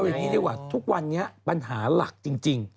อย่างนี้ดีกว่าทุกวันนี้ปัญหาหลักจริง